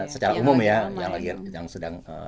secara umum ya yang sedang